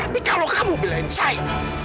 ya tapi kalo kamu belain saya